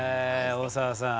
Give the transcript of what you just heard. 大沢さん